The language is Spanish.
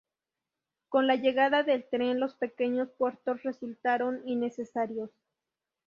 Con la llegada del tren los pequeños puertos resultaron innecesarios.